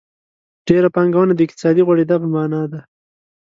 ډېره پانګونه د اقتصادي غوړېدا په مانا ده.